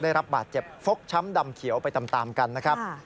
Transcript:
ได้รับบาดเจ็บฟกช้ำดำเขียวไปตามกันนะครับ